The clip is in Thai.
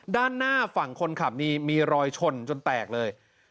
ด้านหน้าฝั่งคนขับนี่มีรอยชนจนแตกเลย